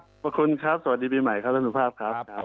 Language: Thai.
ขอบคุณครับสวัสดีปีใหม่ครับท่านสุภาพครับ